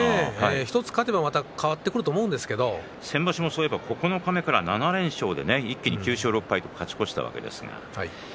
１つ勝てばまた変わってくると先場所もそういえば九日目から７連勝で一気に９勝６敗と勝ち越したわけですが。